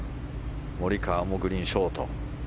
モリカワもグリーン、ショート。